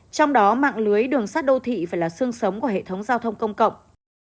trong đó mạng lưới đường sắt đô thị phải là sương sống của hệ thống giao thông công cộng